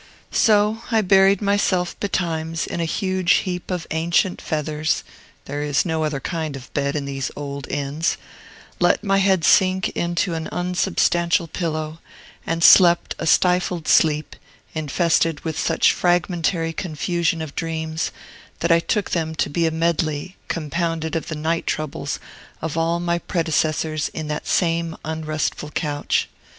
So I buried myself, betimes, in a huge heap of ancient feathers (there is no other kind of bed in these old inns), let my head sink into an unsubstantial pillow, and slept a stifled sleep, infested with such a fragmentary confusion of dreams that I took them to be a medley, compounded of the night troubles of all my predecessors in that same unrestful couch.